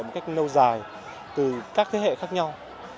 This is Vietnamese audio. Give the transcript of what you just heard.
một cách lâu dài từ các thế hệ khác nhau